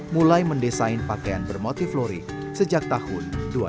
mulai mendesain pakaian bermotif lurik sejak tahun dua ribu dua belas